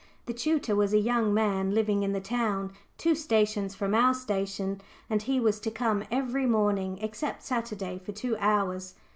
The tutor was a young man living in the town, two stations from our station, and he was to come every morning, except Saturday, for two hours.